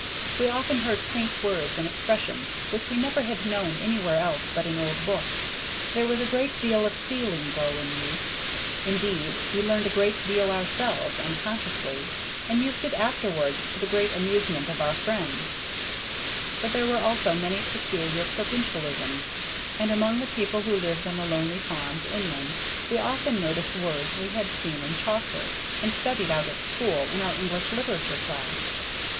We often heard quaint words and expressions which we never had known anywhere else but in old books. There was a great deal of sea lingo in use; indeed, we learned a great deal ourselves, unconsciously, and used it afterward to the great amusement of our friends; but there were also many peculiar provincialisms, and among the people who lived on the lonely farms inland we often noticed words we had seen in Chaucer, and studied out at school in our English literature class.